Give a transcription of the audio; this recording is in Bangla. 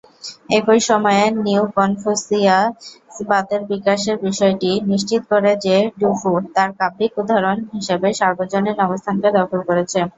একই সময়ে, নিও-কনফুসিয়াসবাদের বিকাশের বিষয়টি নিশ্চিত করে যে ডু ফু তার কাব্যিক উদাহরণ হিসাবে সর্বজনীন অবস্থানকে দখল করেছে।